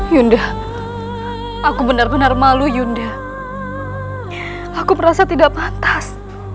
yunda aku benar benar malu yunda aku merasa tidak patah